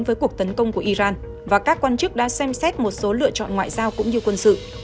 với cuộc tấn công của iran và các quan chức đã xem xét một số lựa chọn ngoại giao cũng như quân sự